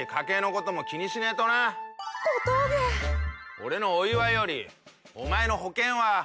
俺のお祝いよりお前の保険は？